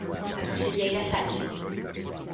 A conselleira está aquí.